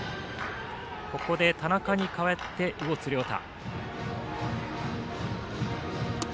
ここで田中に代えて魚津颯汰。